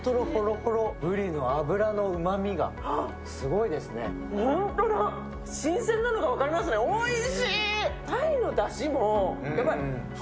ほんとだ、新鮮なのが分かりますね、おいしい。